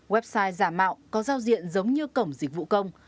website giả mạo có giao diện giống như cổng dịch vụ công